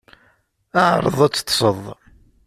Ԑreḍ ad teṭṭseḍ.